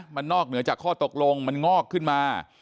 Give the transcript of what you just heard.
มันนอกเหนือจากข้อตกลงมันงอกขึ้นมา